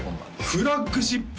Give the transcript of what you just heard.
フラッグシップ